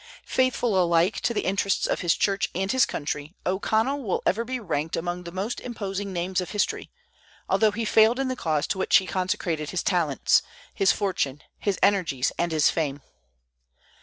Faithful alike to the interests of his church and his country, O'Connell will ever be ranked among the most imposing names of history, although he failed in the cause to which he consecrated his talents, his fortune, his energies, and his fame.